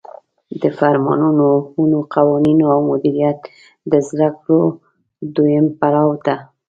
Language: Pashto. د فرمانونو، حکمونو، قوانینو او مدیریت د زدکړو دویم پړاو ته